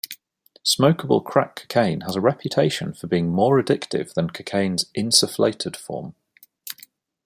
Smokeable crack cocaine has a reputation for being more addictive than cocaine's insufflated form.